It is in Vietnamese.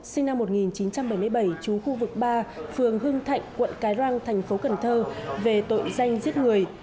sinh năm một nghìn chín trăm bảy mươi bảy chú khu vực ba phường hưng thạnh quận cái răng thành phố cần thơ về tội danh giết người